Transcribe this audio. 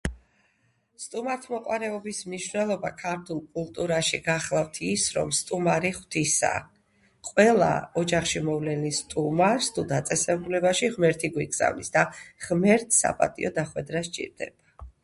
სტუმართმოყვარეობის მნიშვნელობა ქართულ კულტურაში გახლავთ ის რომ სტუმარი ხვთისაა ყველა ოჯახში მოვლენილ სტუმარს თუ დაწესებულებაში ღმერთი გვიგზავნის და ღმერთს საპატიო დახვედრა სჭირდება